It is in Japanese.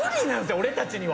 俺たちには。